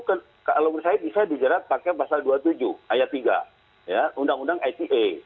kalau menurut saya bisa dijerat pakai pasal dua puluh tujuh ayat tiga undang undang ite